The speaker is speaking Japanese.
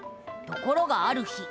ところがある日。